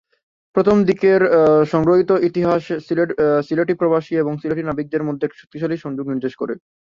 প্রথম দিকের সংগৃহীত ইতিহাস সিলেটি প্রবাসী এবং সিলেটি নাবিকদের মধ্যে একটি শক্তিশালী সংযোগ নির্দেশ করে।